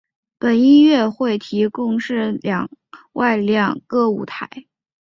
本音乐会共设室内及室外两个舞台。